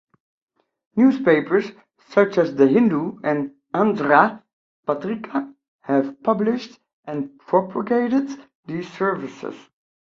Newspapers such as "The Hindu" and "Andhra Patrika" have published and propagated these services.